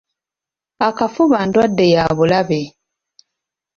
Akafuba ndwadde ya bulabe.